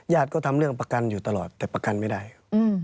ก็ทำเรื่องประกันอยู่ตลอดแต่ประกันไม่ได้ครับ